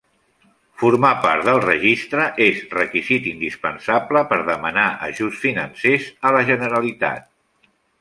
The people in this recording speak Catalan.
Formar part del registre és requisit indispensable per demanar ajuts financers a la Generalitat.